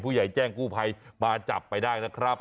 ผู้ใหญ่แจ้งกู้ไพยมาจับไปได้นะครับ